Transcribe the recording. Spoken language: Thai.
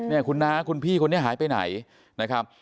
เนี่ยคุณน้าคุณพี่คนนี้หายไปไหนนะครับ